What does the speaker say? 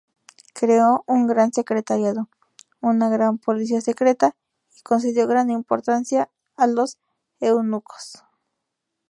Creó un Gran Secretariado, una policía secreta y concedió gran importancia a los eunucos.